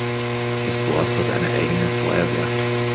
Das Dorf hat eine eigene Feuerwehr.